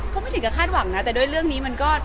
ก็ไม่ถึงกับคาดหวังนะแต่ด้วยเรื่องนี้มันก็